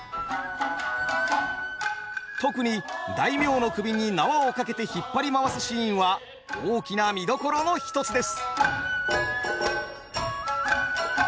特に大名の首に縄を掛けて引っ張り回すシーンは大きな見どころの一つです。